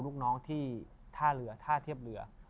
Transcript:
ลูกน้องที่ท่าเรือท่าเทียบเรือ